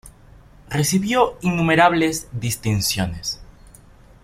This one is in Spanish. Recibió innumerables distinciones.